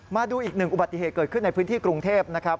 มาดูอีกหนึ่งอุบัติเหตุเกิดขึ้นในพื้นที่กรุงเทพนะครับ